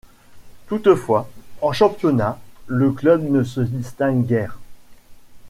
Toutefois, en championnat, le club ne se distingue guère.